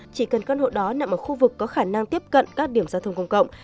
chỉ cần căn hộ đó nằm ở khu vực có khả năng tiếp cận các điểm giao thông công cộng